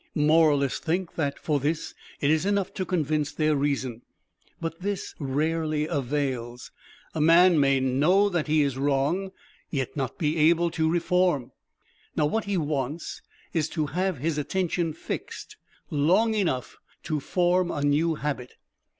Moralists think that for this it is enough to convince their reason. But this rarely avails. A man may know that he is wrong, yet not be able to reform. Now, what he wants is to have his attention fixed long enough to form a new habit.